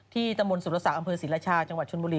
ที่ตมสุรษะอำเภอศรีรชาจังหวัดชนบุรี